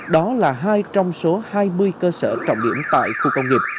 đó là hai trong số hai mươi cơ sở trọng điểm tại khu công nghiệp